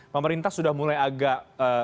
pemerintah sudah mulai agak